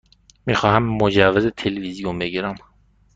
می خواهم مجوز تلویزیون بگیرم.